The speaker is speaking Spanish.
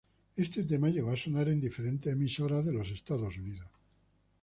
Éste tema llegó a sonar en diferentes emisoras de Estados Unidos.